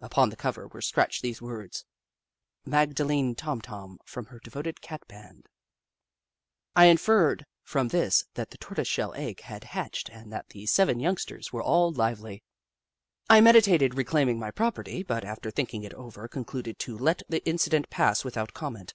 Upon the cover were scratched these words :" Magdalene Tom Tom, from her devoted Cat band." I inferred from this that the tortoise shell eesf had hatched and that the seven Little Upsidaisi 15 youngsters were all lively. I meditated re claiming my property, but after thinking it over, concluded to let the incident pass without comment.